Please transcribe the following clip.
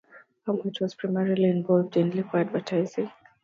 Hartman was primarily involved in liquor advertising.